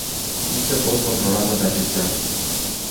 Cum se pot controla toate acestea?